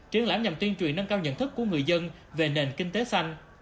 triển lãm nhằm tuyên truyền nâng cao nhận thức của người dân về nền kinh tế xanh